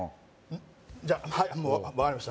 じゃあはいもう分かりました